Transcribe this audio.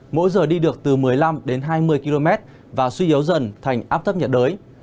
mỗi giờ đi được từ một mươi năm đến hai mươi km và suy yếu dần thành áp thấp nhiệt đới